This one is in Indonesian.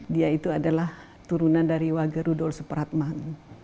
dia itu adalah turunan dari wage rudolf supratman